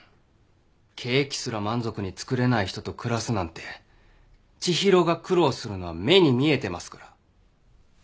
ケーキすら満足に作れない人と暮らすなんて知博が苦労するのは目に見えてますから。